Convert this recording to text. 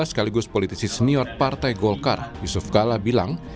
sekaligus politisi senior partai golkar yusuf kala bilang